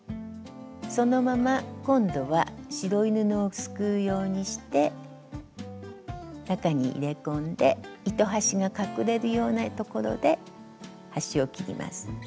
そのまま今度は白い布をすくうようにして中に入れ込んで糸端が隠れるようなところで端を切ります。